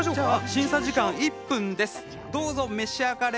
審査時間１分です。